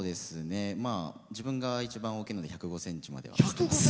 自分が一番大きいので１０５ｃｍまでです。